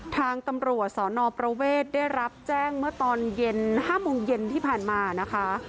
ทางตำรวจสนประเวทได้รับแจ้งเมื่อตอนเย็น๕โมงเย็นที่ผ่านมานะคะ